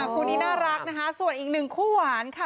คู่นี้น่ารักนะคะส่วนอีกหนึ่งคู่หวานค่ะ